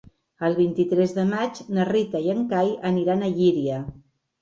El vint-i-tres de maig na Rita i en Cai aniran a Llíria.